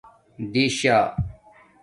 دِشہ